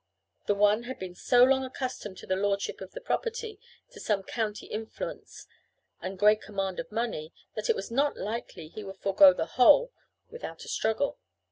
The one had been so long accustomed to the lordship of the property, to some county influence, and great command of money, that it was not likely he would forego the whole without a struggle.